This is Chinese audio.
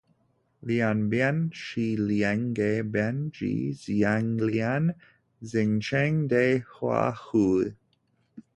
联苯是两个苯基相连形成的化合物。